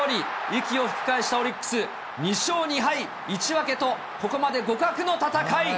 息を吹き返したオリックス、２勝２敗１分けとここまで互角の戦い。